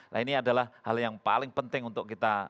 nah ini adalah hal yang paling penting untuk kita